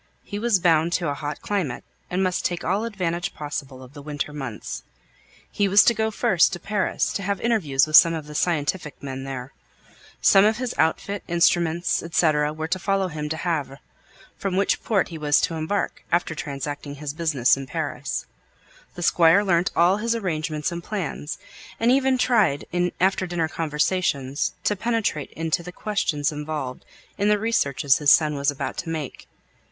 He was bound to a hot climate, and must take all advantage possible of the winter months. He was to go first to Paris, to have interviews with some of the scientific men there. Some of his outfit, instruments, &c., were to follow him to Havre, from which port he was to embark, after transacting his business in Paris. The Squire learnt all his arrangements and plans, and even tried in after dinner conversations to penetrate into the questions involved in the researches his son was about to make.